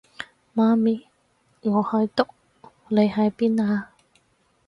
媽咪，我喺度，你喺邊啊？